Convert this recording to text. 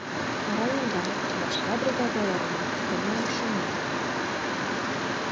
Райондан, башҡа бригадалары нан, өҫтәлмә машиналар килде